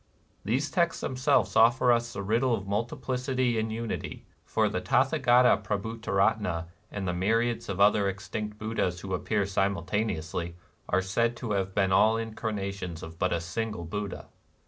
These texts themselves offer us the riddle of multiplicity in unity ; for the Tatha gata Prabhutaratna and the myriads of other extinct Buddhas who appear simultaneously, are said to have been all incarnations of but a single Buddha.